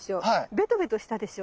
ベトベトしたでしょう？